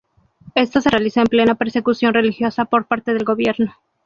Esto se realizó en plena persecución religiosa por parte del gobierno.